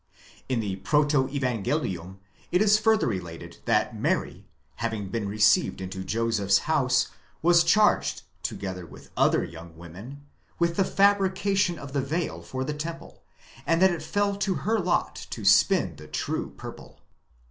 § In the Protevangelium it is further related that Mary, having been received into Joseph's house, was charged, together with other young women, with the fabrication of the veil for the temple, and that it fell to her lot to spin the true purple.